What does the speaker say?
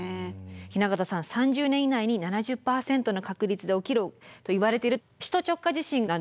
雛形さん３０年以内に７０％の確率で起きるといわれている首都直下地震なんですけど。